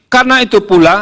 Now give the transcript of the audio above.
karena itu pula